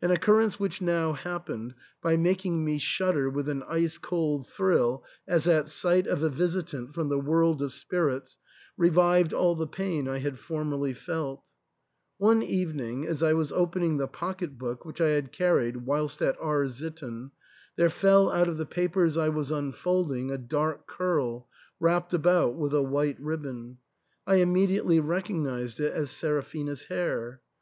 An occurrence which now happened, by making me shudder with an ice cold thrill as at sight of a visitant from the world of spirits, revived all the pain I had formerly felL One evening, as I was open ing the pocket book which I had carried whilst at R — sitten, there fell out of the papers I was unfolding a dark curl, wrapped about with a white ribbon ; I im mediately recognised it as Seraphina's hair.